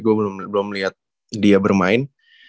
gue belum melihat dia bermain